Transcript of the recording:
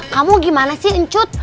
kamu gimana sih encut